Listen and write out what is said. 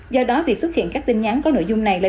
do đó việc xuất hiện các tin nhắn có nội dung này là